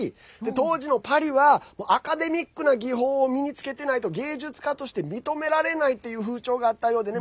当時のパリはアカデミックな技法を身につけてないと芸術家として認められないっていう風潮があったようでね